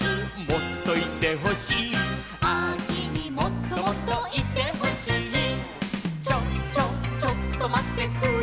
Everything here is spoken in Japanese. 「もっといてほしい」「あきにもっともっといてほしい」「ちょっちょっちょっとまってふゆ！」